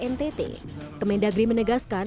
ntt kemendagri menegaskan